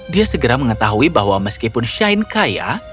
dia segera mengetahui bahwa meskipun shane kaya